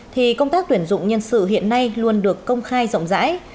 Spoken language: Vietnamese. thì công tác tuyển dụng nhân sự hiện nay luôn được công khai rộng rãi